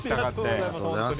ありがとうございます。